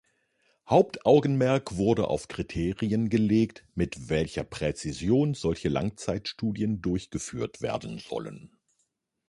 Hauptaugenmerk wurde auf Kriterien gelegt, mit welcher Präzision solche Langzeitstudien durchgeführt werden sollen.